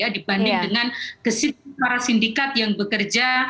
dibanding dengan para sindikat yang bekerja